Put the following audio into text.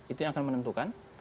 itu yang akan menentukan